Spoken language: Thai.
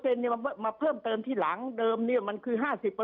ใช่๖๒เนี่ยมาเพิ่มเติมที่หลังเดิมเนี่ยมันคือ๕๐